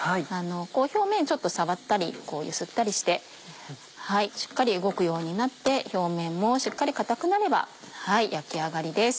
表面ちょっと触ったり揺すったりしてしっかり動くようになって表面もしっかり固くなれば焼き上がりです。